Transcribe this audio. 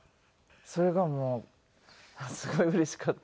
それがもうすごいうれしかったです。